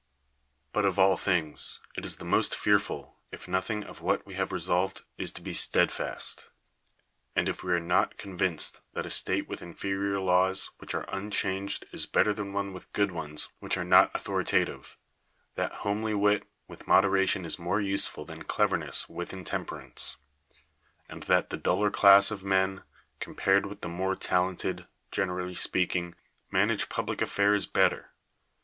But of all things, it is the uiot^t fearful, if nothing of "what we have resolved is to be stead fast; and if we are not convinced that a state with inferior laws which are unchanged is bet ter than one with good ones which are not authoritative ; that homely wit with moderation is more useful than cleverness with intemper ance; and that the duller class of men, com pared with the more talented, generally speak ing, manage public affairs better.